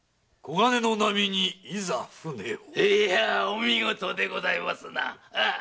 いやお見事でございますな！